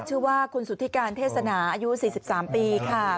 ชื่อว่าคุณสุธิการเทศนาอายุ๔๓ปีค่ะ